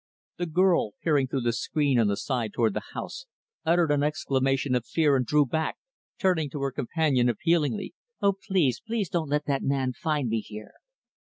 The girl, peering through the screen on the side toward the house, uttered an exclamation of fear and drew back, turning to her companion appealingly. "O please, please don't let that man find me here."